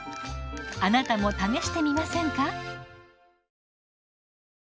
あなたも試してみませんか？